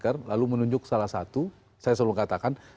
terima kasih pak